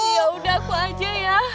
yaudah aku aja ya